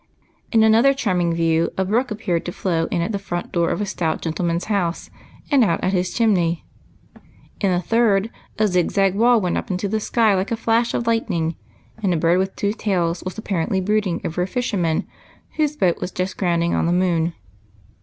In another charming view a brook appeared to flow in at the front door of a stout gentleman's house, and out at his chimney. In a third a zigzag wall went up into the sky like a flash of lightning, and a bird with two tails was apparently brooding over a fisherman whose boat was just going aground upon the moon.